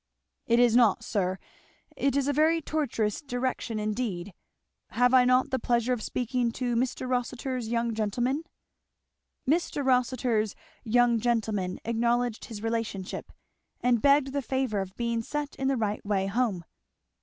"It is not, sir. It is a very tortuous direction indeed. Have I not the pleasure of speaking to Mr. Rossitur's young gentleman?" Mr. Rossitur's young gentleman acknowledged his relationship and begged the favour of being set in the right way home.